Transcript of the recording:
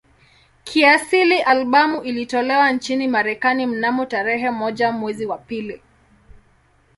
Kiasili albamu ilitolewa nchini Marekani mnamo tarehe moja mwezi wa pili